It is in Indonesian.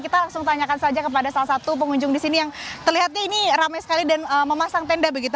kita langsung tanyakan saja kepada salah satu pengunjung di sini yang terlihatnya ini ramai sekali dan memasang tenda begitu